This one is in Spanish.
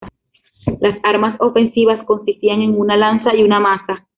Las armas ofensivas consistían en una lanza y una maza.